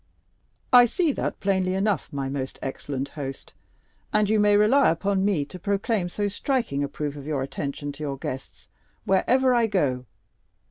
"I see that plainly enough, my most excellent host, and you may rely upon me to proclaim so striking a proof of your attention to your guests wherever I go.